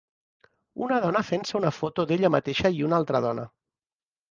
Una dona fent-se una foto d'ella mateixa i una altra dona